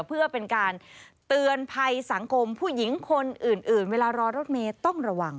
เพื่อเป็นการเตือนภัยสังคมผู้หญิงคนอื่นเวลารอรถเมย์ต้องระวัง